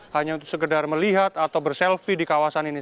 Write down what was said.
hanya untuk sekedar melihat atau berselfie di kawasan ini